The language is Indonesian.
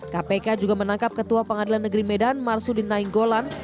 kpk juga menangkap ketua pengadilan negeri medan marsudin nainggolan